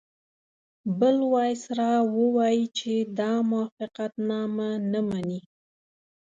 بل وایسرا ووایي چې دا موافقتنامه نه مني.